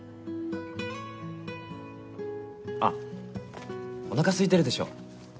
あっおなかすいてるでしょ？